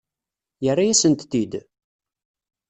Yerra-yasent-t-id?